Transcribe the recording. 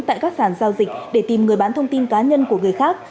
tại các sản giao dịch để tìm người bán thông tin cá nhân của người khác